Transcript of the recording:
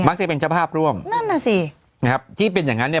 มันก็จะเป็นเจ้าภาพร่วมนั่นแน่สิที่เป็นอย่างนั้นเนี่ย